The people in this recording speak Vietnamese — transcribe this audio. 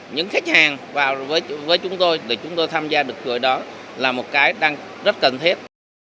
những khách hàng vào với chúng tôi để chúng tôi tham gia được cửa đó là một cái đang rất cần thiết